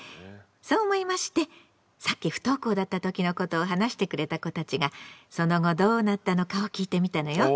そう思いましてさっき不登校だった時のことを話してくれた子たちがその後どうなったのかを聞いてみたのよ。